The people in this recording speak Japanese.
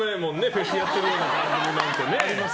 フェスやってるような番組なんてね。